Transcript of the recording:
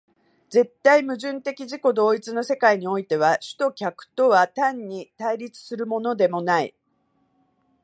絶対矛盾的自己同一の世界においては、主と客とは単に対立するのでもない。